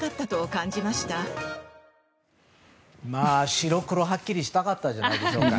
白黒はっきりしたかったんじゃないでしょうか。